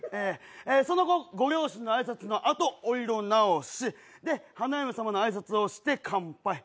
その後、ご両親の挨拶のあとお色直し、で、花嫁様の挨拶をして乾杯。